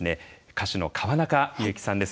歌手の川中美幸さんです。